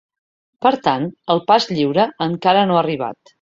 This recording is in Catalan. Per tant, el pas lliure encara no ha arribat.